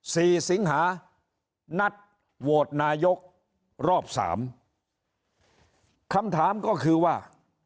สิงหานัดโหวตนายกรอบสามคำถามก็คือว่า